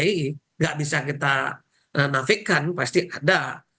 tidak bisa kita nafikkan pasti ada